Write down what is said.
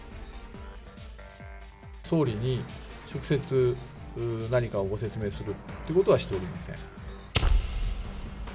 総理に直接何かをご説明するということはしておりません。